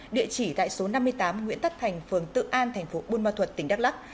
địa chỉ tại số năm mươi tám nguyễn tất thành phường tự an thành phố buôn ma thuật tỉnh đắk lắc